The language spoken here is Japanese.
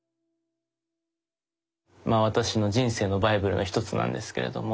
まぁ私の人生のバイブルの一つなんですけれども。